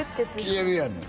消えるやねん